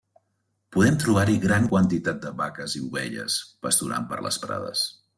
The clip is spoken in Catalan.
Podem trobar-hi gran quantitat de vaques i ovelles, pasturant per les prades.